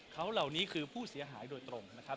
เขาเหล่านี้คือผู้เสียหายโดยตรงนะครับ